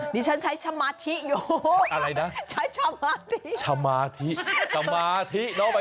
นี่ฉันใช้สมาธิอยู่